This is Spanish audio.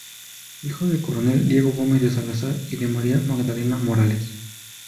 Hijo del coronel Diego Gómez de Salazar y de María Magdalena Morales.